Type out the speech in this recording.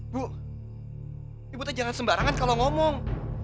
bu ibu tuh jangan sembarangan kalau ngomong